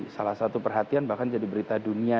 salah satu perhatian bahkan jadi berita dunia